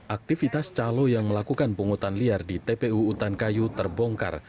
aktivitas calo yang melakukan penghutan liar di tpu utankayu terbongkar